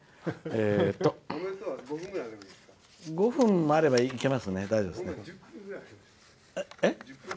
５分もあればいけますね。